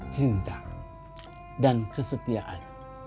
cinta dan kesetiaan